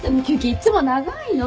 いつも長いの！